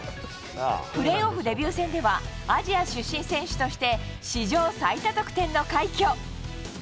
プレーオフデビュー戦ではアジア出身選手として史上最多得点の快挙。